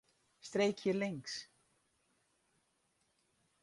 Streekje links.